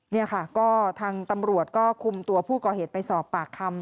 นี่ค่ะก็ทางตำรวจก็คุมตัวผู้ก่อเหตุไปสอบปากคำ